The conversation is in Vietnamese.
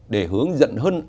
để hướng dẫn hơn